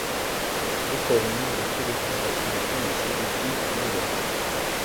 Liper i mənzekwed i kuza inisi ɗi di anidaw.